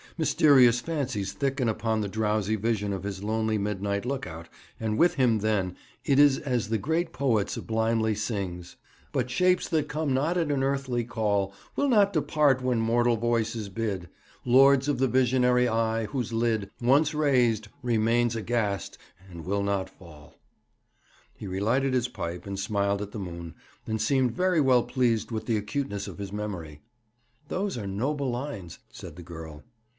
Mysterious fancies thicken upon the drowsy vision of his lonely midnight look out, and with him then it is as the great poet sublimely sings: '"But shapes that come not at an earthly call, Will not depart when mortal voices bid; Lords of the visionary eye, whose lid, Once raised, remains aghast, and will not fall."' He relighted his pipe, and smiled at the moon, and seemed very well pleased with the acuteness of his memory. 'Those are noble lines,' said the girl.